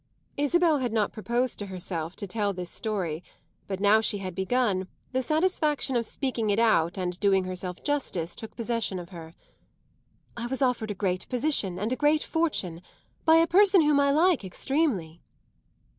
Isabel had not proposed to herself to tell this story, but, now she had begun, the satisfaction of speaking it out and doing herself justice took possession of her. "I was offered a great position and a great fortune by a person whom I like extremely."